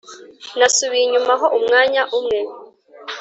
Nasubiye inyuma ho umwanya umwe